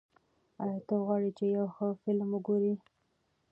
ایا ته غواړې چې یو ښه فلم وګورې؟